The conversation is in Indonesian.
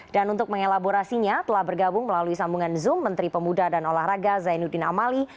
dan untuk mengelaborasinya telah bergabung melalui sambungan zoom menteri pemuda dan olahraga zainuddin amali